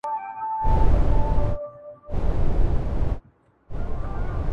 له ګیدړ څخه یې وکړله پوښتنه -